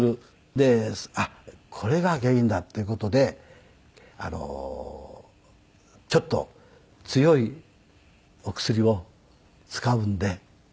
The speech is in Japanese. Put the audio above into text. であっこれが原因だ！っていう事でちょっと強いお薬を使うんでという事。